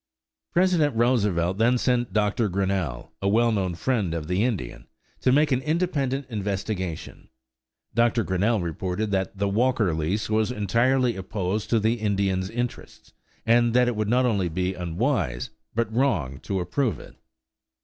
President Roosevelt then sent Dr. Grinnell, a well known friend of the Indian, to make an independent investigation. Dr. Grinnell reported that the Walker lease was entirely opposed to the Indians' interests, and that it would not only be unwise, but wrong, to approve it.